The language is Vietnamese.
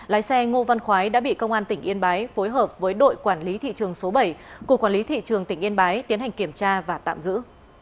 lái xe ngô văn khoái đã bị công an tỉnh yên bái phối hợp với đội quản lý thị trường số bảy của quản lý thị trường tỉnh yên bái tiến hành kiểm tra và tạm giữ